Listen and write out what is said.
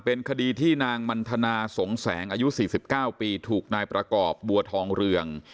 เป็นคดีที่นางมันทนาสงแสงอายุ๔๙ปีถูกนายประกอบบัวทองเรือง